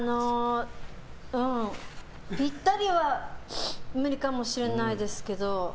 ぴったりは無理かもしれないですけど。